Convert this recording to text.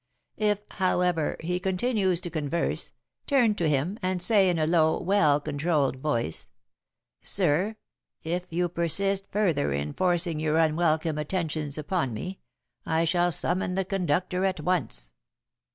If, however, he continues to converse, turn to him, and say in a low, well controlled voice: "Sir, if you persist further in forcing your unwelcome attentions upon me, I shall summon the conductor at once."